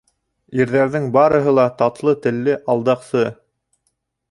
Ирҙәрҙең барыһы ла татлы телле алдаҡсы!